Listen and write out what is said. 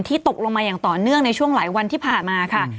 ตกลงมาอย่างต่อเนื่องในช่วงหลายวันที่ผ่านมาค่ะ